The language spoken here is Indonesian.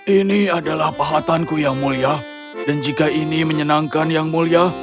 ini adalah pahatanku yang mulia dan jika ini menyenangkan yang mulia